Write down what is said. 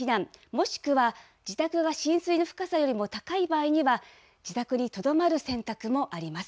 もしくは自宅が浸水の深さよりも高い場合には、自宅にとどまる選択もあります。